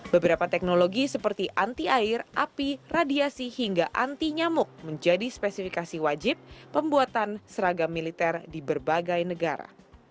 beberapa teknologi seperti anti air api radiasi hingga anti nyamuk menjadi spesifikasi wajib pembuatan seragam militer di berbagai negara